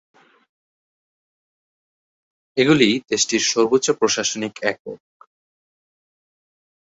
এগুলি দেশটির সর্বোচ্চ প্রশাসনিক একক।